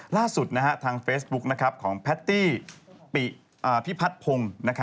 ล่าสุดทางเฟซบุ๊กของแพตตี้พิพัฒนพงศ์